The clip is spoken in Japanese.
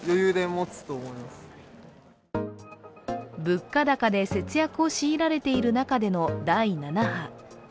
物価高で節約を強いられている中での第７波。